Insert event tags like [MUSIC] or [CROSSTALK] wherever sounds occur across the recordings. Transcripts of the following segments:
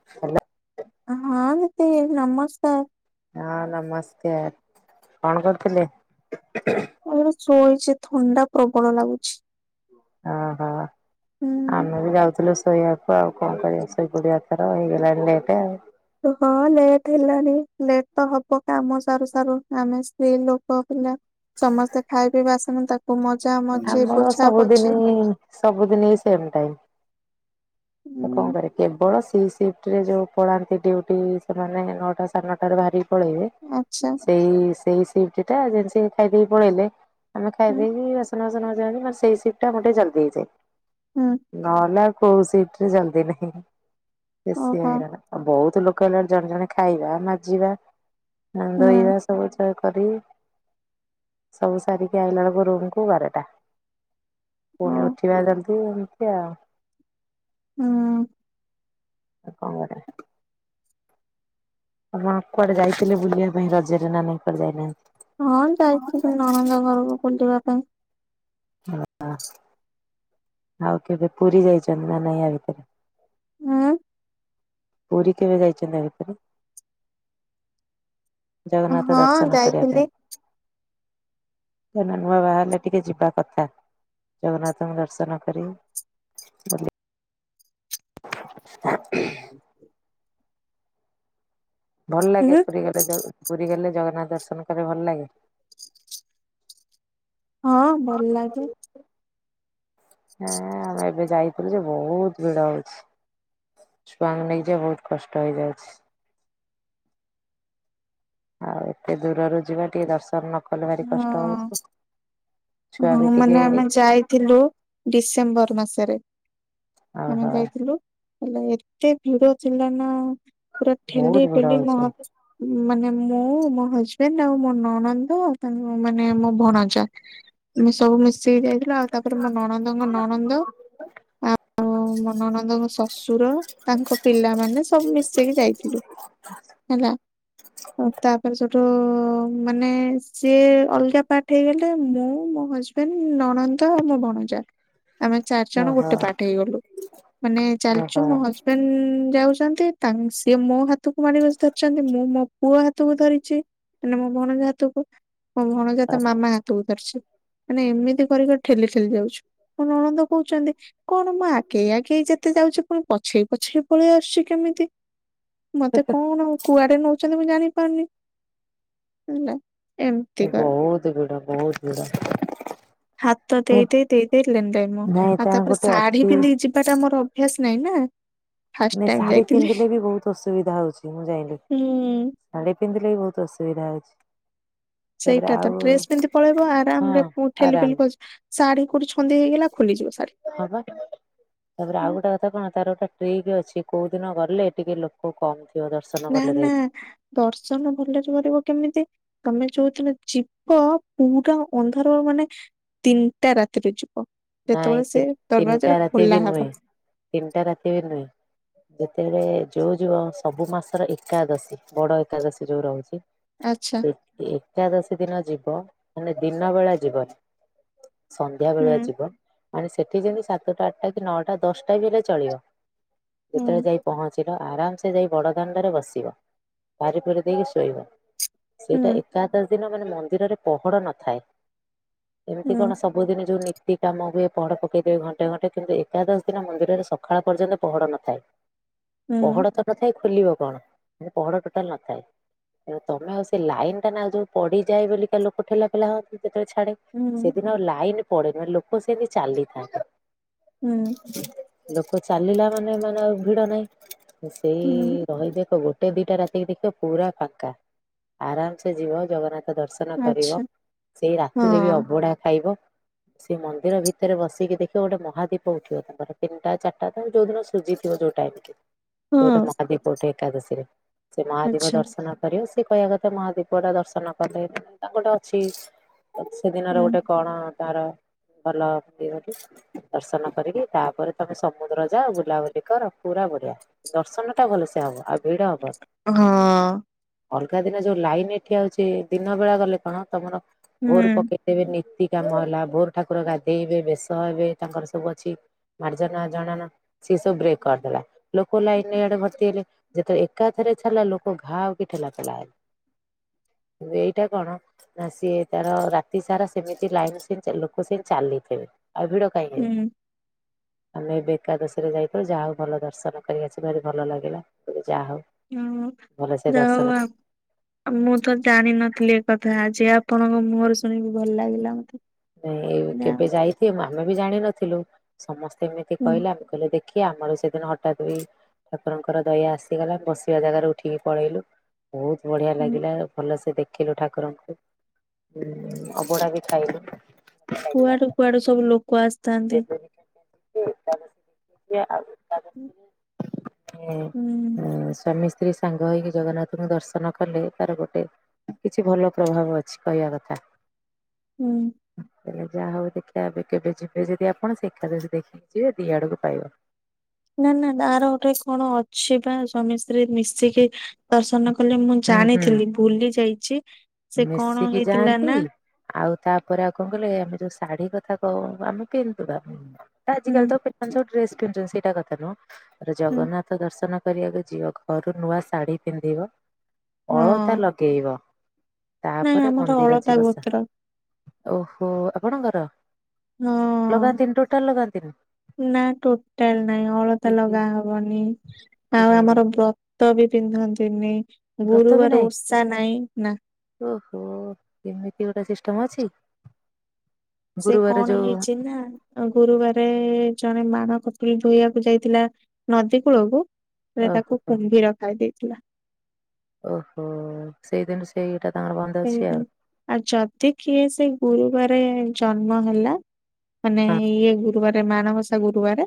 [INAUDIBLE] ହଁ ମତେ ନମସ୍କାର। ହଁ ନମସ୍କାର କଣ କରୁଥିଲେ? ତା ଶୋଇୋଇଛି ଥଣ୍ଡା ପ୍ରବଳ ଲାଗୁଛି। ଓହୋ ହୁଁ ଆମେ ବି ଯାଉଥିଲୁ ଶୋଇବାକୁ ଆଉ କଣ କିନିଷ ଗୁଡିଆଥର ହେଇଗଲାଣିଟ ଆଉ ହଁ ଲେଟ ହେଲାଣି ଲେଟ ତ ହବ କାମ ସାରୁ ସାରୁ ଆମେ ସ୍ତ୍ରୀ ଲୋକ ପିଲା। ସମସ୍ତେ ଖାଇ ପିଇବା ଆସନ୍ତି ତାକୁ ମଜା ହବ ଆମର ସବୁଦିନ ସବୁଦିନ ସେମ ଟାଇମ। ତ ହୁଁ କଣ କରିବି। କେବଳ ସି ସିଫ୍ଟ ରେ ଯୋଉ ପଳାନ୍ତି ଡୁଟି ସେମାନେ ନଅଟା ସାଢ଼େ ନଅଟା ବାହାରିକି ପଳେଇବେ। ଆଚ୍ଛା। ସେଇ ସେଇ ସି ଟା ଯେିତି ଖାଇଦକି ପଳେଇଲେ ଆମେ ଖାଇ ହୁଁ ଦେଇେଇକି ସୁ ସୁନାା ମ ସେଇ ସିଟା ମୋର ଟିକେ ଜଲଦି ହେଇଯାଏ। ହୁଁ। ନହେଲେ କୋଉ ସିଟରେ ଜଲଦି ନାହିଁ ବେଶୀ ଓହୋ ହଇରାଣ ବହୁତ ଲୋକ ହେଲା ଜଣେ ଜଣେ ଖାଇବା ମାଜିବା। ନା ହୁଁ ଧୋଇବା ସବୁ କରି ସବୁ ସାରିକି ଆଇଲା ବେଳକୁ ରୁ କୁ ବାରଟା ଓ ପୁଣି ଉଠିବା ଜଲ୍ଦି ଏମିତି ଆଉ ହୁଁ। ଆଉ କଣ କରିବା? ଆ ମା କୁଆଡେ ଯାଇଥିଲେ ବୁଲିବା ପାଇଁ ରଜରେ ନାନା କୁଆଡେ ଯାଇନାହାନ୍ତି? ହଁ ଯାଇଥିଲ ତମ ଅନନନ୍ଦ ଘରକୁ ବୁଲିବା ପାଇଁ। ନା। ଆଉ କେବେ ପୁରୀ ଯାଇଛନ୍ତି ନା ନାାଇଁ ୟା ଭିତରେ। ହୁଁ। ପୁରୀ କେବେ ଯାଇଛନ୍ତି ଏ ଭିତରେ ଜଗନ୍ନାଥ ହଁ ଦର୍ଶନ କରିବା ଯାଇଥିଲି ପାଇଁ। ନୂଆ ବାହାର ହେଲେ ଟିକେ ଯିବା କଥା। ଜଗନ୍ନାଥଙ୍କ ଦର୍ଶନ କରି। [INAUDIBLE] ଭଲ ଲାଗେ ହୁଁ ପୁରୀ ଗଲେ ପୁରୀ ଗଲେ ଜଗନ୍ନାଥ ଦର୍ଶନ କ ଭଲ ଲାଗେ। ହଁ ଭଲ ଲାଗେ। ହଁ ଆଉ ଏବେ ଯାଇ ଯେ ବହୁତ ଭିଡ ହଉଛି ଛୁଆଙ୍କୁ ନେଇକି ଯ ବହୁତ କଷ୍ଟ ହେଇଯାଉଛି। ଆଉ ଏତେ ଦୂରରୁ ଯିବା ଟିକେ ଦର୍ଶନ କଲେ ଭାରି କଷ୍ଟ ହଁ। ହଉଛି ଛୁଆ ବି ଟିକେ ହେଇଛି। ଥିଲୁ ଡିସେମ୍ବର ମାସରେ ଆମେ ଓହୋ ଯାଇଥିଲୁ। ହେଲା ଏତେ ଭିଡ ଥିଲା ନା ପୁରା ଠେଲି ବହୁତ ଭିଡ ପଲି ମହ ହଉଛି ମାନେ ମୁଁ ମୋ ହଜବେଣ୍ଡ ଆଉ ମୋ ନଣନ୍ଦ ମାନେ ମୋ ଭଣଜା ସବୁ ମି ସେ ହେଇ ଯାଇଥିଲା ଆଉ ତାପରେ ମୋ ନଣନ୍ଦଙ୍କ ନଣନ୍ଦ ଆଉ ମନନନ୍ଦଙ୍କ ଶ୍ୱଶୁର ତାଙ୍କ ପିଲାମାନେ ସବୁ ମିଶେଇକି ଯାଇଥିଲୁ। ହେଲା ଆ ତାପରେ ଯୋଠୁ ମାନେ ସେ ଅଲଗା ପାଠ ହେଇଗଲେ ମୁଁ ମୋ ହଜବେଣ୍ଡ ନଣନ୍ଦ ଆଉ ମୋ ବଣଜା। ଆମେ ଚାରି ଜଣ ଓହୋ ଗୋଟେ ପାଠ ହେଇଗଲୁ ମାନେ ଚାଲିଛୁ ଓହୋ। ମୋ ହଜବେଣ୍ଡ। ଯାଉଛନ୍ତି ତା ସିଏ ମୋ ହାତକୁ ମାଡି ବସି ଧରିଛନ୍ତି ମୁଁ ମୋ ପୁଅ ହାତକୁ ଧରିଛି। କଲେ ମୋ ଭଣଜା ହାତକୁ ମୋ ଭଣଜା ହାତ ଓହୋ ମାମା ତୁ ଧର ମାନେ ଏମିତି କରିକି ଠେଲି ଠେଲି ଯାଉଛୁଣ ଅଣନ୍ଦ କହୁଛନ୍ତି। କଣ ମା ଆଗେଇ ଆଗେଇ ଯେତେ ଯାଉଛି ପୁଣି ପଛେଇ ପଛେଇ ପଳେଇ ଆସୁଛି କେମିତି? ମତେ କଣ କୁଆଡେ ନଉଛନ୍ତି ମୁଁ ଜାଣିପାରୁନି ହେଲା। ଏମିତିକା ବହୁତ ଗିଡା ବହୁତ ଗିଡ ହାତ ଦେଇ ଦେଇେଇ ଦେଇ ଦେଇ ଲେନ ଦେେ ମୁଁ ନାଇଁ ଆଉ ତାର ତାପରେ ଗୋଟେ ଶାଢୀ ଅଛି ପିନ୍ଧିକି ଯିବି ଏଟା ଆମର ଅଭ୍ୟାସ ନାଇଁ ନା ଫାଷ୍ଟ ନଁ ଟାଇମ ଶାଢୀ ଯାଇଥିଲି ପିନ୍ଧିଲେ ବି ବହୁତ ଅସୁବିଧା ହଉଛି ମୁଁ ଜାଇଲିି ହୁଁ ଶାଡି ପିନ୍ଧିଲେ ବି ବହୁତ ଅସୁବିଧା ଅଛି। ସେଇଟା ତ ଡ୍ରେସ ପିନ୍ଧି ପଳେଇବ ହଁ ଆରାମ ରେ ଆରାମ ଠେଲି ଶାଢୀ କୋଡି ଛେ ହେଇଗଲା ଖୋଲିଯିବ ଶଢୀ। ହଁ ପା। ତାପରେ ଆଉ ଗୋଟେ କଥା କଣ ତାର ଗୋଟେ ଟ୍ରିକ୍ ଅଛି କୋଉ ଦିନ ଗଲେ ଟିକେ ଲୋକ କମ୍ ଥିବ ତାର ନା ନା ଦର୍ଶନ ଭଲରେ କରିବ କେମିତି? ତମେ ଯୋଉଥିଲ ଜୀପ ପୁରା ଅନ୍ଧାର ମାନେ ତିନିଟା ରାତିରେ ଯିବ ନାଇଁ ଯେତେବେଳେ ସେ ତିନିଟା ଦରବାଜା ଟା ରାତି ବି ଖୋଲା ନୁହେଁ ହବ। ତିନିଟା ରାତି ବି ନୁହେଁ। ଯେତେବେଳେ ଯୋଉ ଯୋଉ ସବୁ ମାସର ଏକାଦଶୀ, ବଡ ଏକାଦଶୀ ଯୋଉ ରହୁଛି ଆଚ୍ଛା। ସେଇ ଏକାଦଶୀ ଦିନ ଯିବ, ମାନେ ଦିନ ବେଳା ଯିବନି। ହୁଁ ସନ୍ଧ୍ୟାବେଳୁଆ ଯିବ ମାନେ ସେଠି ଯେମିତି ସାତଟା ଆଠଟା କି ନଅଟା ଦଶଟା ବି ହେଲେ ଚଳିବ। ହୁଁ ଯେତେବେଳେ ଯାଇ ପହଞ୍ଚିଲ ଆରାମ ସେ ଯାଇ ବଡ଼ ଦାଣ୍ଡରେ ବସିବ। ପାରି ପୁରି ଦେଇକି ଶୋଇବ। ହୁଁ ସେଇଟା ଏକାଦଶ ଦିନ ମାନେ ମନ୍ଦିରରେ ପହଡ ନଥାଏ। ଏମତି ହୁଁ କଣ ସବୁ ସବୁଦିନେ ଯୋଉ ନୀତି ଏଇ କାମ ହୁଏ ପହଡ଼ ପକେଇଦେବେ ଘଣ୍ଟେ ଘଣ୍ଟେ, କିନ୍ତୁ ଏକାଦଶ ଦିନ ମନ୍ଦିରରେ ସଖାଳ ପର୍ଯ୍ୟନ୍ତ ପହଡ଼ ନଥାଏ। ହୁଁ ପହଡ ତ ନଥାଏ, ଖୋଲିବ କଣ? ମାନେ ପହଡ ଟୋଟାଲ ନଥାଏ। ହୁଁ। ତମେ ଆଉ ସେ ଲାଇନଟା ନା ଯୋଉ ପଡିିଯାଏ ବୋଲିକା ଲୋକ ଠେଲା ପେଲା ହୁଅନ୍ତି, ଯେତେବେଳେ ଛାଡେ। ହୁଁ ଉଁ। ଯୋଉ ଲାଇନ ପଡେନି ମାନେ ଲୋକ ସେମତି ଚାଲିଥାନ୍ତି। ହୁଁ। ଲୋକ ଚାଲିଲା ମାନେ ମାନେ ଆଉ ଭିଡ ନାହିଁ। ସେଇ ହୁଁ ରହିବେ ଏକ ଗୋଟେ ଗୋଟେ ଦିଟା ରାତିକି ଦେଖିବ ପୁରା ଫାଙ୍କା। ଆରାମ ସେ ଯିବ ଜଗନ୍ନାଥ କୁରଙ୍କ ଦର୍ଶନ କରିବ, ଆଚ୍ଛା ସେଇ ହଁ ରାତିରେ ବି ଅବୁଢା ଖାଇବ ସେ ମନ୍ଦିର ଭିତରେ ବସିକି ଦେଖିବ ଗୋଟେ ମହାଦୀପ ଉଠିବ ତାଙ୍କର, ତିନଟା ଚାରିଟା ତାଙ୍କୁ ଯୋଉ ଦିନ ସୁଜିଥିବ ଯୋଉ ଟାଇମ୍। ସିଏ ହଁ ଗୋଟେ ମହାଦୀପ ଉଠେ ଏକାଦଶୀରେ। ସେ ମହାଦୀପ ଆଚ୍ଛା ଦର୍ଶନ କରିବ ସିଏ କହିଆ କଥା ମହାଦୀପଟା ଦର୍ଶନ କଲେ ତାଙ୍କ ଗୋଟେ ଅଛି ସେଦିନର ହୁଁ। ଗୋଟେ କଣ ତାର ଭଲ ଦେହ ଟି? ଦର୍ଶନ କରିକି, ତାପରେ ତମେ ସମୁଦ୍ର ଯାଅ, ବୁଲାବୁଲି କର, ପୁରା ବଢିଆ। ଦର୍ଶନଟା ଭଲସେ ହବ, ଆଉ ଭିଡ ହବନି। ହଁ ଅଲଗା ଦିନ ଯୋଉ ଲାଇନ ଏଠି ଆଉଛି, ଦିନ ବେଳା ଗଲେ କଣ ତମର ଭୋର ହୁଁ ପକେଇ ଏବେ ନୀତି କାମ ହେଲା, ଭୋରୁ ଠାକୁର ଗାଧେଇବେ, ବେଶ ହେବେ, ତାଙ୍କର ସବୁ ଅଛି। ମାର୍ଜନା ଜଣାଣ ସିଏ ସବୁ ବ୍ରେକ୍ କରିଦେଲା। ଲୋକ ଲାଇନରେ ଆଡେ ଭର୍ତ୍ତି ହେଲେ, ଯେତେବେଳେ ଏକାଥେରେ ଛାଡିଲା ଲୋକ ଘାଉ କି ଠେଲା ପେଲା ହେଲେ। କିନ୍ତୁ ଏଇଟା କଣ, ନା ସିଏ ତାର ରାତି ସାରା ସେମିତି ଲାଇନ ସାଇନ୍ ଚାଲୁ ସେ ସେଇଟି ଚାଲିଥିବେ, ଆଉ ଭିଡ କାହିଁ ହେବେ। ହୁଁ। ଆମେ ଏବେ ଏକାଦଶୀରେ ଯାଇଥି ଯାହାହଉ ଭଲ ଦର୍ଶନ କରି ଆସିବାରୁ ଭଲ ଲାଗିଲା। ମୁଁ କହିଲି ଯା ହଉ। ହୁଁ ଭଲସେ ଯା ଦର୍ଶନ ହଉ ଆ ମୁଁ ତ ଜାଣିନଥିଲି ଏ କଥା, ଆଜି ଆପଣଙ୍କ ମୁହଁରୁ ଶୁଣିକି ଭଲ ଲାଗିଲା ମତେ। ନାଇଁ ଏ ଯା କେବେ ଯାଇଥିବୁ ଆମେ ବି ଜାଣିନଥିଲୁ, ସମସ୍ତେ ଏମିତି ହୁଁ କହିଲେ ଆମେ କହିଲେ ଦେଖିଆ, ଆମର ସେଦିନ ହଠାତ୍ ଏଇ ଠାକୁରଙ୍କର ଦୟା ଆସିଗଲା, ବସିବା ଜାଗାରେ ଉଠିକି ପଳେଇଲୁ। ବହୁତ ବଢିଆ ହୁଁ ଲାଗିଲା, ଆଉ ଭଲସେ ଦେଖି ଖିଲୁ ଠାକୁରଙ୍କୁ। ଉମ୍ ଅବଢ଼ା ବି ଖାଇଲୁ। ଭଲ ଲାଗିଲା କୁଆଡୁ କୁଆଡୁ ସବୁ ଲୋକ ଆସିଥାନ୍ତି। [UNINTELLIGIBLE] ଉମ୍ ହୁଁ ସ୍ୱାମୀ ସ୍ତ୍ରୀ ସାଙ୍ଗ ହେଇକି ଜଗନ୍ନାଥଙ୍କୁ ଦର୍ଶନ କଲେ, ତାର ଗୋଟେ କିଛି ଭଲ ପ୍ରଭାବ ଅଛି କହିବା କଥା। ହୁଁ। ତାହେଲେ ଯାହା ହଉ ଦେଖିବା, ଏବେ କେବେ ଯିବେ ଯଦି ଆପଣ ସେଖା ଯଦି ଦେଖିକି ଯିବେ ଦି ଆଡକୁ ପାଇବ। ନାଁ ନାଁ ଆର ଗୋଟାଇ କଣ ଅଛି ବା ସ୍ୱାମୀ ସ୍ତ୍ରୀ ମିଶିକି ଦର୍ଶନ କଲେ ମୁଁ ହୁଁ ହୁଁ ଜାଣିଥିଲି ଭୁଲି ଯାଇଚି, ସେ କଣ ମିଶିକି ହେଇଥିଲା ଯାଆନ୍ତି। ନା ଆଉ ତାପରେ ଆଉ କଣ କହିଲୁ ଏ ଆମେ ଯୋଉ ଶାଢୀ କଥା କହଉନୁ ଆମେ ପିନ୍ଧୁ ବା, ସେଟା ହୁଁ ଆଜିକାଲି ତ ଆପଣ ଯୋଉ ଡ୍ରେସ୍ କିଣୁଛନ୍ତି ସେଇଟା କଥା ନୁହଁ, ତାପରେ ହୁଁ ଜଗନ୍ନାଥ ଥ ଦର୍ଶନ କରିବାକୁ ଯିବ, ଘରୁ ନୂଆ ଶାଢୀ ପିନ୍ଧିବ, ହଁ ଅଳତା ଲଗେଇବ। ନାଇଁ ତାପରେ ଆମର ମନ୍ଦିର ଅଳତା ଅଛି ବସା ଗୋତ୍ର ଓହୋ ଆପଣଙ୍କର? ହଁ ଲଗାନ୍ତିନ ଟୋଟାଲ ଲଗାନ୍ତି ନା ଟୋଟାଲ ନାଇଁ ଅଳତା ଇହି ଲଗା ହବନି ଆଉ ଇରେ ଆମର ବ୍ରତ ବି ପିନ୍ଧନ୍ତିନି ବ୍ରତ ବି ଗୁରୁବାର ନାହିଁ ଓଷା ନାଇଁ ନା। ଓହୋ ଏମିତି ଗୋଟେ ସିଷ୍ଟମ ଅଛି। ସେ ଗୁରୁବାର କଣ ଯୋଉ ହେଇଛି ନା ଗୁରୁବାର ଜଣେ ମାଣ କପୁଳୀ ଧୋଇବାକୁ ଯାଇଥିଲା ନଦୀ କୂଳକୁ ତାକୁ ଓହୋ କୁମ୍ଭିର ଖାଇଦେଇେଇଥିଲା। ଓହୋ ସେଇଦିନ ସେଇଟା ତାଙ୍କର ବନ୍ଦ ଅଛି ସେଇଦିନ ଆଉ। ଆଉ ଯଦି କିଏ ସେ ଗୁରୁବାର ଜନ୍ମ ହେଲା ମାନେ ଇଏ ଗୁରୁବାର ମାଣବସା ଗୁରୁବାର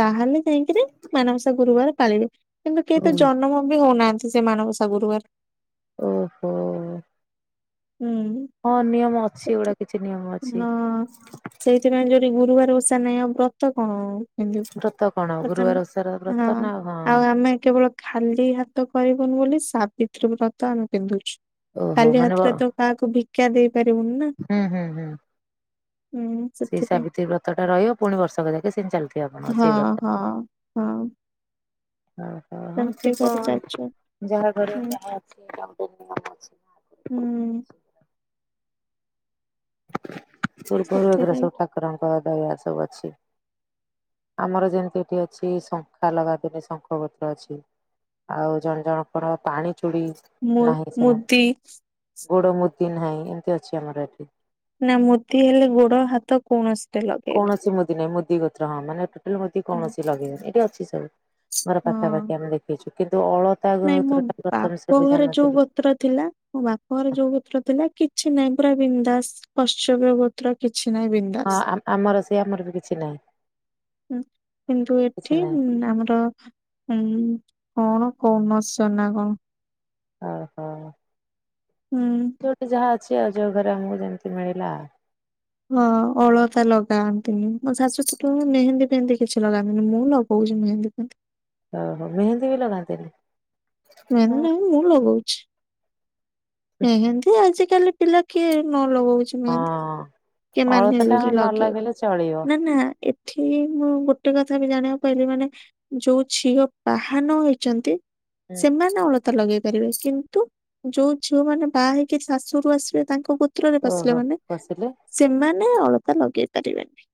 ତାହେଲେ ଯାଇକିରି ମାନବସା ଗୁରୁବାର ପାଳିବେ କିନ୍ତୁ କେହି ତ ହୁଁ। ଜନ୍ମ ବି ହଉନାହାନ୍ତି। ସେ ମାନବସ ଗୁରୁବାର। ଓହୋ। ହୁଁ। ହଁ ନିୟମ ଅଛି ଗୁଡା କିଛି ନିୟମ ଅଛି। ସେଥିପାଇଁ ଯୋଠି ଗୁରୁବାର ଓଷା ନାହିଁ ଆଉ ବ୍ରତ କଣ ବ୍ରତ କଣ ଗୁରୁବାର [UNINTELLIGIBLE] ଓଷାର ହଁ ବ୍ରତ ନା ଆଉ ଆମେ କେବଳ ଖାଲି ହାତ କରିବନି ବୋଲି ସାବିତ୍ରୀ ବ୍ରତ ଆମେ ପିନ୍ଧୁଛୁ। ଓହୋ ଖାଲି ମାନେ ବ ହାତରେ ତ କାହାକୁ ଭିକା ଦେଇପାରିବୁନି ନା ହୁଁ ହୁଁ ହୁଁ। ହୁଁ। ସେଇ ସେଥିପାଇଁ ସାବିତ୍ରୀ ବ୍ରତ ଟ ରହିବ ପୁଣି ବର୍ଷକ ଯାକ ସେି ଚାଲିଥିବ। ହଁ ହଁ ହଁ [UNINTELLIGIBLE] ହଁ ସେମିତି ପ କରି ଚାଲିଛୁ ଯାହା ଘରେ ହୁଁ ଯାହା ଅଛି ଅଛି ନା। ହୁଁ। ଚୁରପ ସେଥିପାଇଁ ସବୁ ଠାକୁରଙ୍କ ଦୟା ସବୁ ଅଛି। ଆମର ଯେମିତି ଏଠି ଅଛି ଶଙ୍ଖା ଲଗା ଦିନି ଶଙ୍ଖପତ୍ର ଅଛି। ଆଉ ଜଣେ ଜଣଙ୍କର ପାଣି ଚୁଡି ମୁ ନାହିଁ ମୁଦି ସେମାନେ ଗୋଡ ମୁଦି ନାହିଁ ଏମତି ଅଛି ଆମର ଏଠି ନା ମୋଦି ହେଲେ ଗୋଡ ହାତ କୌଣସି କୌଣସି ମୁଦି ନାହିଁ ମୁଦି ଗୋତ୍ର ହଁ ମାନେ ଟୋଟାଲ ମୁଦି କୌଣସି ଲଗେଇନି ଏଠି ଅଛି ସବୁ। ମୋର ହଁ ପାଖାପାଖି ଆମେ ଦେଖୁଛୁ କିନ୍ତୁ ଅଳତା ଗ- ଏସବୁ ବିଷୟ ରେ ଜାଣିନଥିଲି। ପତ୍ର ଥିଲା ମୋ ବାପାଙ୍କର ଯୋଉ ଗୋତ୍ର ଥିଲା କିଛି ନାହିଁ ପୁରା ବିନ୍ଦାସ। ପଶ୍ଚବ୍ୟ ଗୋତ୍ର କିଛି ନାହିଁ ବିଧୁ ହଁ ଆମର ସେ ଆମର ବି କିଛି ନାହିଁ। ହଁ କିନ୍ତୁ କିଛି ଏଠି ନାହିଁ ଆମର ହୁଁ କଣ କମଛ ନା କଣ। ହଁ ହଁ। ହୁଁ ଯଉଠି ଯାହା ଅଛି ଅଉ ଯୋଉ ଘରେ ଆମକୁ ଯେମିତି ମିଳିଲା। ହଁ ଅଳତା ଲଗାନ୍ତିନି ମୋ ଶାଶୁ ଶୁ ମେହେନ୍ଦୀ ଫେହେନ୍ଦୀ କିଛି ଲଗାିନନି ମୁଁ ଲ ହଉଛି ନହେଁ ଦେଖନ୍ତନ୍ତି ଓ ହୋ ମେହେନ୍ଦୀ ବି ଲଗାନ୍ତିନି? ନ ନାଇଁ ମୁଁ ଲଗଉଛି। ମେହେନ୍ଦି ଆଜିକାଲି ପିଲା କିଏ ନ ଲଗଉଛି। ହଁ। କେ ମାନେ ଅଳତା ଟା ହେଇଛି ନ ଲଗେଇ ଲଗେଇଲେ ଚଳିବ ନା ନା ଏ ଠିକ ମୁଁ ଗୋଟେ କଥା ବି ଜାଣିବାକୁ ପାଇଲିି ମାନେ ଯୋଉ ଝିଅ ବାହା ନହେଇଛନ୍ତି ହୁଁ। ସେମାନେ ଅଲ ଲଗେଇ ପାରିବେ କିନ୍ତୁ ଯୋଉ ଝିଅ ମାନେ ବାହା ହେଇକି ଶାଶୁରୁ ଆସିବେ ତାଙ୍କୁ ପତ୍ରରେ ବସିଲା ଓହୋ ମାନେ ବସିଲେ ସେମାନେ ଅଳତା ଲଗେଇ ପାରିବେନି।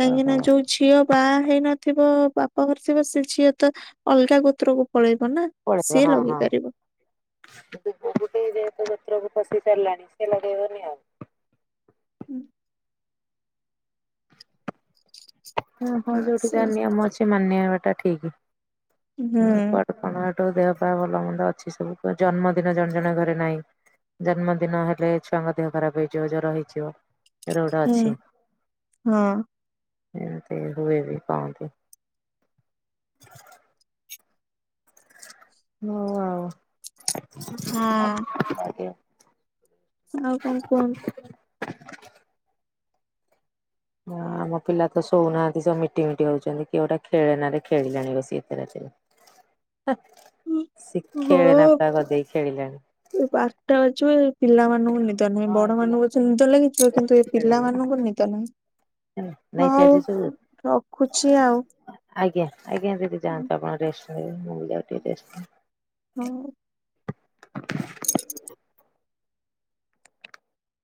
କାହିଁକି ଓହୋ ନା ଯୋଉ ଝିଅ ବାଆ ହେଇନଥିବ ବାପାଘରେ ଥିବ ସେ ଝିଅ ତ ଅଲଗା ଗୋତ୍ରକୁ ପଳେଇବନା। ପଳେଇଥିବ ହଁ ହଁ। ଦୁବ ଗୋଟେ ଯେହେତୁ ପତ୍ରକୁ ଫସିି ସାରିଲାଣି ସେ ଲଗେଇବନି ଆଉ। ଉଁ ହଁ ହଁ ଯୋଉଠି ଯାହା ନିୟମ ଅଛି ମାନିବାଟା ଠିକି। ହୁଁ। କଣ ହେଠୁ ଦେହପା ଭଲ ମନ୍ଦ ଅଛି ସବୁ କ ଜନ୍ମଦିନ ଜଣଜଣଙ୍କ ଘରେ ନାହିଁ। ଜନ୍ମଦିନ ହେଲେ ଛୁଆଙ୍କ ଦେହ ଖରାପେ ହେଇଯିବ ଜର ହେଇଯିବ। ଏରା ଗୋଟେ ହୁଁ ଅଛି। ହଁ ଏମତି ହୁଏ ବି କହନ୍ତି। ହୋଉ ଆଉ ହଁ। ଆଜ୍ଞା। ଆଉ କଣ କୁହନ୍ତୁ? ହଁ ମୋ ପିଲା ତ ଶୋଉନାହାନ୍ତି ସବୁ ମିଟି ମିଟି ହୋଉଚନ୍ତି କିଏ ଗୋଟେ ଖେଳନାରେ ଖେଳିଲାଣି ବସି ଏତେ ରାତି ହ ସେ ଖେଳେନା ପାଗଦେଇ ଖେଳିଲେଣି। ମୁଁ ପାର୍ ଅଛି ପିଲାମାନଙ୍କୁ ନେ ନିଦ ନାହିଁ ହଁ ଏ ପିଲା ବଡମାନଙ୍କୁ ପଛେ ନିଦ ଲାଗିଥିବ କିନ୍ତୁ ଏ ଶୋଇନାହାନ୍ତି ଖେଳିଲେ ନା। ପିଲାମାନାନଙ୍କୁ ନିଦ ନାହିଁ। ନାଇଁ ସେ ହଉ ଆଜି ସବୁ ରଖୁଚି ଆଉ। ଆଜ୍ଞା ଆଜ୍ଞା ଦିଦି ଯାଆନ୍ତୁ ଆପଣ ରେଷ୍ଟ ନେବେ ମୁଁ ବି ଯାଉଚି ରେଷ୍ଟ ହୋଉ। [UNINTELLIGIBLE]